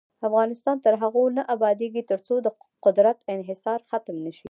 افغانستان تر هغو نه ابادیږي، ترڅو د قدرت انحصار ختم نشي.